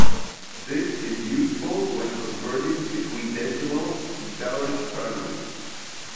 This is useful when converting between decimal and balanced ternary.